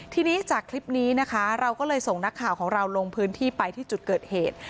ทีนี้จากคลิปนี้นะคะเราก็เลยส่งนักข่าวของเราลงพื้นที่ไปที่จุดเกิดเหตุ